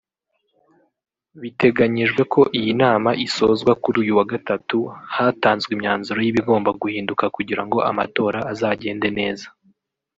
Biteganyijwe ko iyi nama isozwa kuri uyu wa gatatu hatanzwe imyanzuro y’ibigomba guhinduka kugirango amatora azagende neza